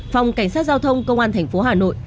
phòng cảnh sát giao thông công an tp hà nội